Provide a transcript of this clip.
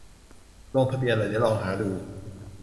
ลงทะเบียนละ เดี๋ยวลองหาดู